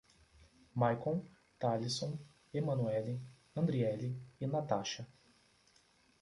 Maikon, Talisson, Emanuelle, Andrieli e Natacha